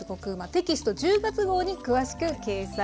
テキスト１０月号に詳しく掲載されています。